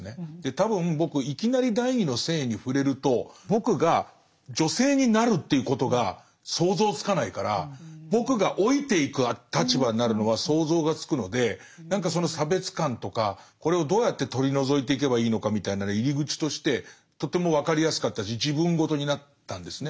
多分僕いきなり「第二の性」に触れると僕が女性になるっていうことが想像つかないから僕が老いていく立場になるのは想像がつくので何かその差別感とかこれをどうやって取り除いていけばいいのかみたいな入り口としてとても分かりやすかったし自分ごとになったんですね。